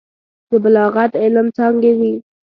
د بلاغت علم څانګې دي.